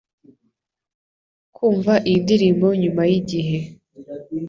Kumva iyi ndirimbo nyuma yigihe